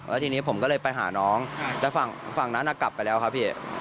แล้วทีนี้ผมก็เลยไปหาน้องแต่ฝั่งนั้นกลับไปแล้วครับพี่